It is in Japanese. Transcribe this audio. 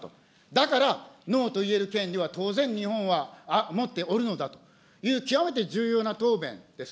だからノーと言える権利は当然、日本は持っておるのだという極めて重要な答弁です。